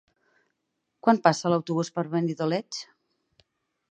Quan passa l'autobús per Benidoleig?